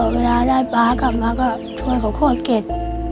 เวลาได้ป๊ากลับมาก็ชวนเขาโคตรเก็ด